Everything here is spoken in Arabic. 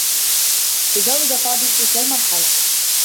تجاوز فاضل تلك المرحلة.